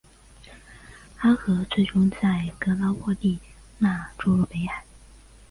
阿河最终在格拉沃利讷注入北海。